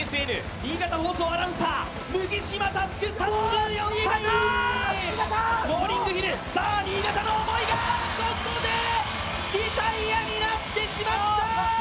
新潟放送アナウンサー、麦島侑３４歳微雨ローリングヒル、さぁ、新潟の思いが、ここでリタイアになってしまった。